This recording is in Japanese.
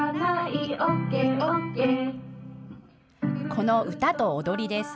この歌と踊りです。